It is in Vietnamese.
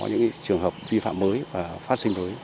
những trường hợp vi phạm mới và phát sinh đối